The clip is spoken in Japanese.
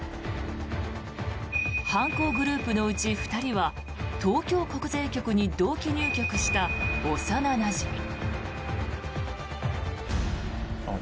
犯行グループのうち２人は東京国税局に同期入局した幼なじみ。